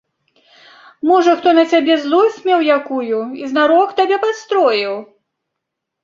Можа, хто на цябе злосць меў якую і знарок табе падстроіў?